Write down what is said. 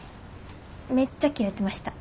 めっちゃキレてました。